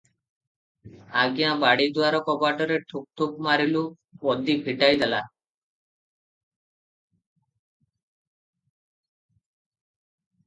"ଆଜ୍ଞା ବାଡିଦୁଆର କବାଟରେ ଠୁକ୍ ଠୁକ୍ ମାରିଲୁ, ପଦୀ ଫିଟାଇ ଦେଲା ।"